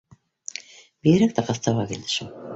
Бигерәк тә ҡыҫтауға килде шул.